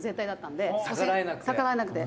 「逆らえなくて？」